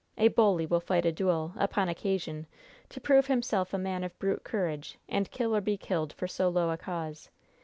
A bully will fight a duel, upon occasion, to prove himself a man of brute courage, and kill or be killed for so low a cause.